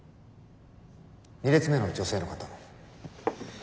２列目の女性の方。